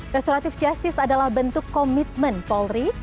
restoratif justice adalah bentuk komitmen polri